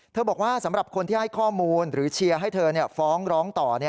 บอกว่าสำหรับคนที่ให้ข้อมูลหรือเชียร์ให้เธอฟ้องร้องต่อ